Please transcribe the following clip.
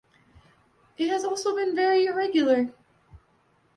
It has also been very irregular.